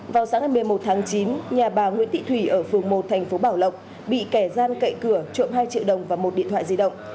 vào sáng ngày một mươi một tháng chín nhà bà nguyễn thị thủy ở phường một thành phố bảo lộc bị kẻ gian cậy cửa trộm hai triệu đồng và một điện thoại di động